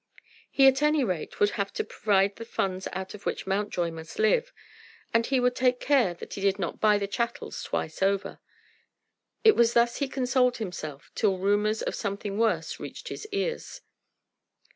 He at any rate would have to provide the funds out of which Mountjoy must live, and he would take care that he did not buy the chattels twice over. It was thus he consoled himself till rumors of something worse reached his ears.